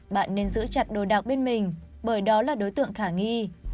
bạn nên giữ chặt đồ đạc bên mình bởi đó là đối tượng khả nghi